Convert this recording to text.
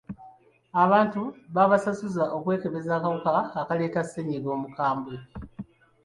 Abantu babasasuza okwekebeza akawuka akaleeta ssennyiga omukambwe.